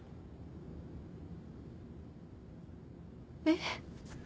えっ？